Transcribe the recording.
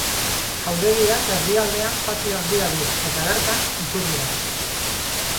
Jauregiak erdialdean patio handia du eta bertan iturri bat.